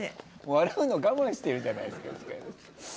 笑うの我慢してるじゃないですか。